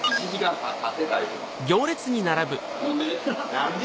何で？